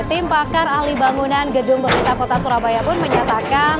tim pakar ahli bangunan gedung pemerintah kota surabaya pun menyatakan